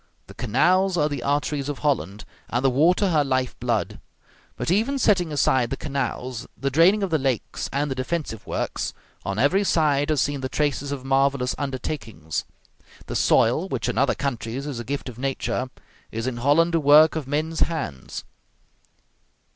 The canals are the arteries of Holland, and the water her life blood. But even setting aside the canals, the draining of the lakes, and the defensive works, on every side are seen the traces of marvelous undertakings. The soil, which in other countries is a gift of nature, is in Holland a work of men's hands.